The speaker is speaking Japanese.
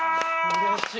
うれしい。